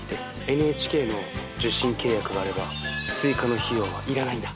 ＮＨＫの受信契約があれば追加の費用は要らないんだ。